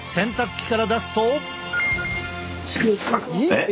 えっ？